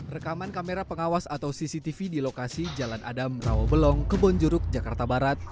rekaman kamera pengawas atau cctv di lokasi jalan adam rawabelong kebonjuruk jakarta barat